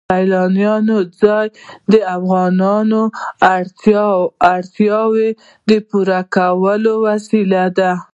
سیلانی ځایونه د افغانانو د اړتیاوو د پوره کولو وسیله ده.